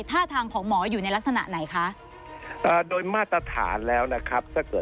ท่าทางของหมออยู่ในลักษณะไหนคะ